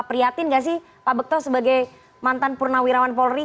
perhatikan tidak sih pak bekto sebagai mantan purnawirawan polri